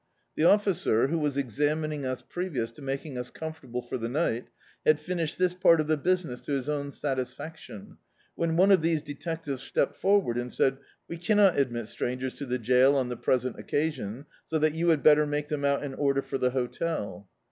The officer, who was examining us previous to making us comfortable for the night, had finished this part of the business to his own satisfaction, when one of these detectives stepped forward, and said — "We caimot admit strangers to the jail on the present occasion, so that you had better make them out an order for the hotel."